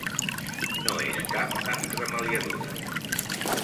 No és cap entremaliadura.